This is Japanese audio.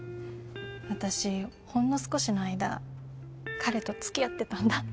私ほんの少しの間彼と付き合ってたんだ。